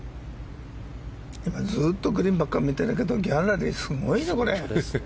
ずっとグリーンばっか見てるけどギャラリーすごいぞ、これ。